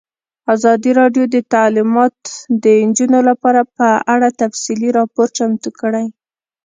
ازادي راډیو د تعلیمات د نجونو لپاره په اړه تفصیلي راپور چمتو کړی.